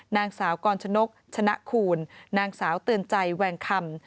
นางสาวกรชนกชนะคูณนางสาวเตือนใจแวงคำ